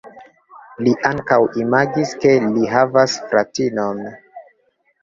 Li ankaŭ imagis ke li havas fratinon.